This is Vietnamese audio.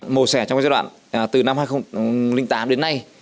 một sẻ trong giai đoạn từ năm hai nghìn tám đến nay